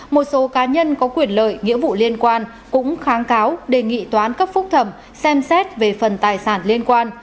một số cá nhân có quyền lợi nghĩa vụ liên quan cũng kháng cáo đề nghị toán cấp phúc thẩm xem xét về phần tài sản liên quan